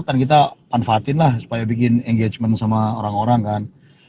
kan kita manfaatin lah supaya bikin engagement sama orang orang kan